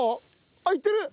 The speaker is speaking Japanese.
あっいってる！